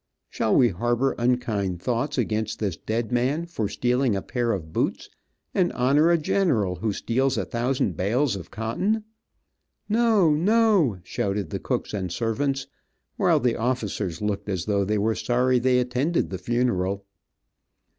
Shall we harbor unkind thoughts against this dead man for stealing a pair of boots, and honor a general who steals a thousand bales of cotton? (No! no! shouted the cooks and servants, while the officers looked as though they were sorry they attended the funeral.)